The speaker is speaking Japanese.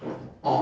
あ。